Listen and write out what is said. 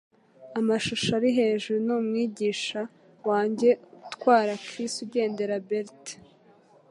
Amashusho ari hejuru ni umwigisha wanjye utwara Chris ugendera Bert.